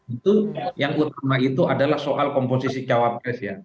itu yang utama itu adalah soal komposisi cawapres ya